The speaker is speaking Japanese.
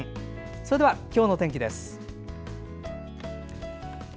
それでは、今日の天気です。